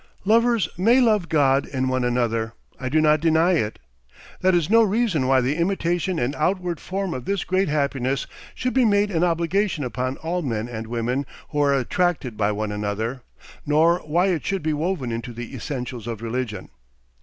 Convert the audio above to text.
Lovers may love God in one another; I do not deny it. That is no reason why the imitation and outward form of this great happiness should be made an obligation upon all men and women who are attracted by one another, nor why it should be woven into the essentials of religion.